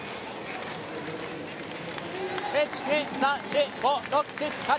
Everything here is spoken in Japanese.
１、２、３、４、５６、７、８